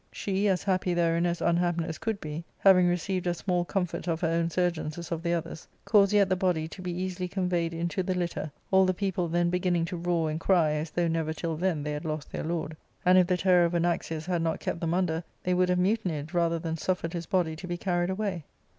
She as happy therein as unhappiness could be, having received as small comfort of her own surgeons as of the others, caused yet the body to be easily conveyed into the litter, all the people then beginning to roar and cry as though never tiU then they had lost their lord ; and if the terror of Anaxius had not kept them under, they would have mutinied rather than suffered his body to be carried away.